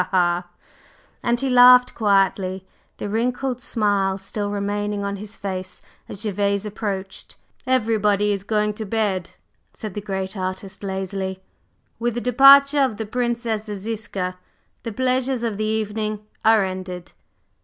ha!" And he laughed quietly, the wrinkled smile still remaining on his face as Gervase approached. "Everybody is going to bed," said the great artist lazily. "With the departure of the Princess Ziska, the pleasures of the evening are ended."